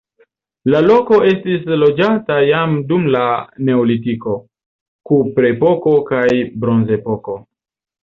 La loko estis loĝata jam dum la neolitiko, kuprepoko kaj bronzepoko.